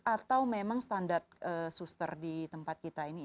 atau memang standar suster di tempat kita ini